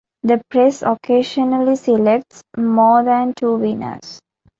The Press occasionally selects more than two winners.